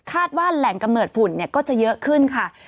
ว่าแหล่งกำเนิดฝุ่นก็จะเยอะขึ้นค่ะ